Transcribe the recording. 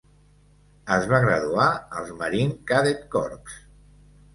Es va graduar als Marine Cadet Corps.